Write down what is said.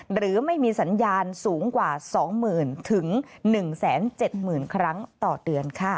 หรือไม่มีสัญญาณสูงกว่า๒๐๐๐๑๗๐๐๐ครั้งต่อเดือนค่ะ